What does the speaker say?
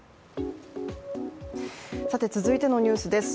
続いてのニュースです。